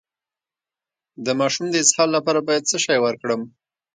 د ماشوم د اسهال لپاره باید څه شی ورکړم؟